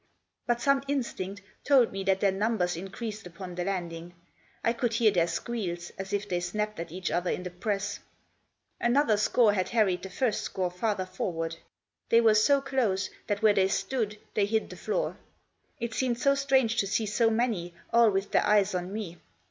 But some instinct told me that their numbers increased upon the landing. I could hear their squeals, as if they snapped at each other in the press. Another 8* Digitized by 116 THE JOSS. score had harried the first score farther forward. They were so close that where they stood they hid the floor. It seemed so strange to see so many, all with their eyes on me.